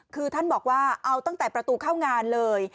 คือท่านบอกว่าเอาตั้งแต่ประตูเข้างานเลย